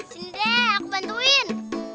sini deh aku bantuin